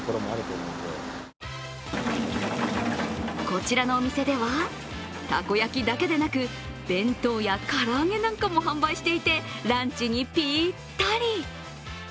こちらのお店では、たこ焼きだけでなく弁当や唐揚げなんかも販売していて、ランチにぴったり。